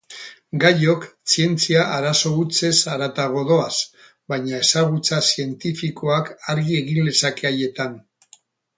Gaiok zientzia-arazo hutsez haratago doaz, baina ezagutza zientifikoak argi egin lezake haietan.